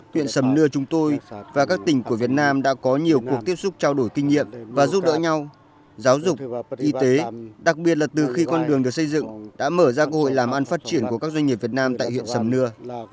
huyện sầm nưa chúng tôi và các tỉnh của việt nam đã có nhiều cuộc tiếp xúc trao đổi kinh nghiệm và giúp đỡ nhau giáo dục y tế đặc biệt là từ khi con đường được xây dựng đã mở ra cơ hội làm ăn phát triển của các doanh nghiệp việt nam tại huyện sầm nưa